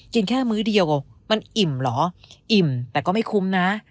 แค่มื้อเดียวมันอิ่มเหรออิ่มแต่ก็ไม่คุ้มนะ